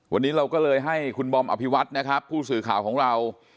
วันนี้เราก็เลยให้คุณบอมอภิวัตนะครับผู้สื่อข่าวของเรา